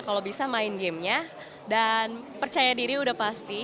kalau bisa main gamenya dan percaya diri udah pasti